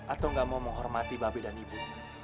atau gak mau menghormati babi dan ibu